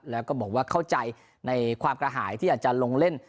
แล้วก็บอกว่าเข้าใจในความกระหายที่อาจจะลงเล่น